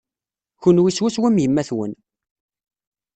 Kenwi swaswa am yemma-twen.